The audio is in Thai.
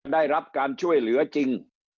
ได้รับการช่วยเหลือจริง